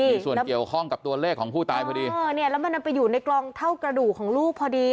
มีส่วนเกี่ยวข้องกับตัวเลขของผู้ตายพอดีเออเนี่ยแล้วมันนำไปอยู่ในกลองเท่ากระดูกของลูกพอดี